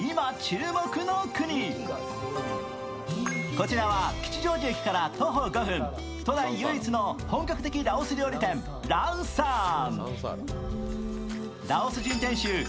こちらは吉祥寺駅から徒歩５分、都内唯一の本格的ラオス料理店ランサーン。